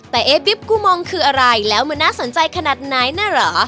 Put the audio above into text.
แต่เอ๊บิ๊บกูมองคืออะไรแล้วมันน่าสนใจขนาดไหนนะเหรอ